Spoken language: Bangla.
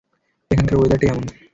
এখানকার ওয়েদারটাই এমন!